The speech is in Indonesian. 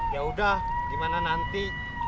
ya udah gimana nanti